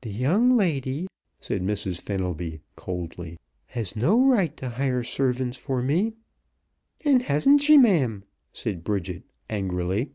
"The young lady," said Mrs. Fenelby coldly, "has no right to hire servants for me." "And hasn't she, ma'am?" said Bridget angrily.